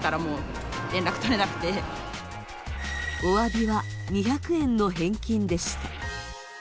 おわびは２００円の返金でした。